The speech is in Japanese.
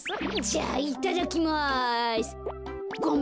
じゃあいただきます。